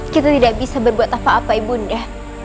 kita tidak bisa berbuat apa apa ibunda